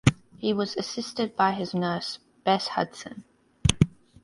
He was assisted by his nurse Bess Hudson.